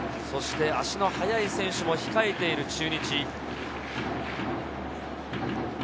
そして足の速い選手も控えている中日。